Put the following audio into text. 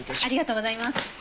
ありがとうございます。